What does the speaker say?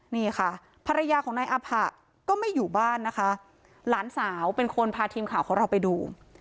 นี่ค่ะภรรยาของนายอาผะก็ไม่อยู่บ้านนะคะหลานสาวเป็นคนพาทีมข่าวของเราไปดู